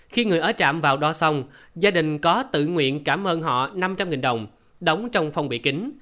khi người ở trạm vào đo xong gia đình có tự nguyện cảm ơn họ năm trăm linh đồng đóng trong phòng bị kính